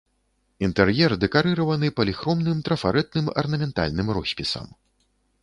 Інтэр'ер дэкарыраваны паліхромным трафарэтным арнаментальным роспісам.